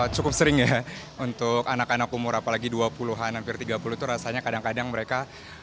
cukup sering ya untuk anak anak umur apalagi dua puluh an hampir tiga puluh itu rasanya kadang kadang mereka